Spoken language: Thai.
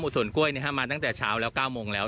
ส่วนกล้วยมาตั้งแต่เช้าแล้ว๙โมงแล้ว